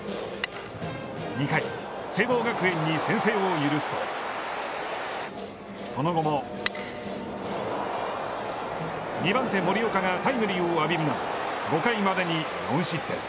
２回、聖望学園に先制を許すと、その後も２番手森岡がタイムリーを浴びるなど、５回までに４失点。